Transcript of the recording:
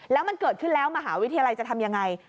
แล้วมันเกิดขึ้นแล้วมหาวิทยาลัยจะทำยังไง